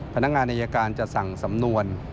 พนักงานอายการจะสั่งสำนวน